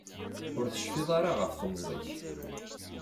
Ur tecfiḍ ara ɣef temẓi-k.